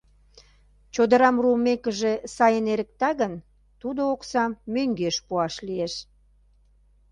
Чодырам руымекыже, сайын эрыкта гын, тудо оксам мӧҥгеш пуаш лиеш.